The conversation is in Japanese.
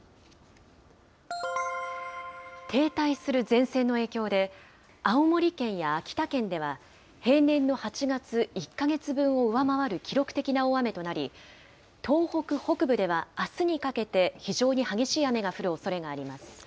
停滞する前線の影響で、青森県や秋田県では、平年の８月１か月分を上回る記録的な大雨となり、東北北部では、あすにかけて非常に激しい雨が降るおそれがあります。